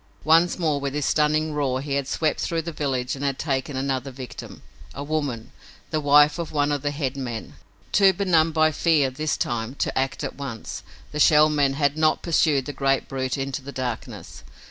Once more with his stunning roar he had swept through the village and had taken another victim, a woman, the wife of one of the head men. Too benumbed by fear, this time, to act at once, the Shell Men had not pursued the great brute into the darkness.